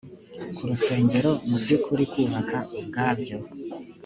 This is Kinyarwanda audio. ku rusengero mu by’ ukuri kubaka ubwabyo